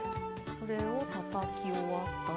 これをたたき終わったら。